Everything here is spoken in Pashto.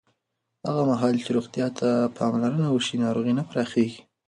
هغه مهال چې روغتیا ته پاملرنه وشي، ناروغۍ نه پراخېږي.